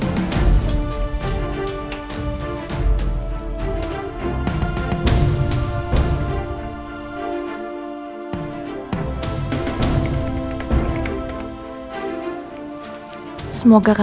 dan bisa menangkan akun roy